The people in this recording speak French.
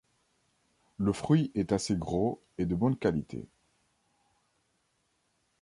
Le fruit est assez gros et de bonne qualité.